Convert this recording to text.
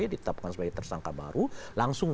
ditetapkan sebagai tersangka baru langsung